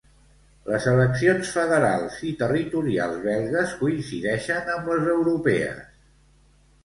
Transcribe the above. Les eleccions federals i territorials belgues coincideixen amb les europees.